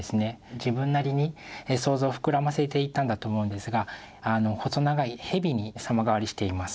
自分なりに想像を膨らませていったんだと思うんですがあの細長い蛇に様変わりしています。